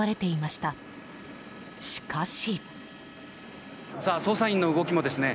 しかし。